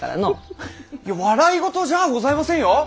笑い事じゃあございませんよ。